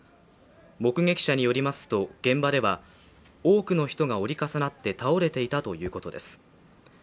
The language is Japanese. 目撃者によりますと現場では多くの人が折り重なって倒れていたということです。